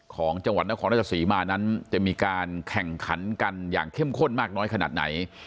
ของจังหวัดนครราชศรีมานั้นจะมีการแข่งขันกันอย่างเข้มข้นมากน้อยขนาดไหน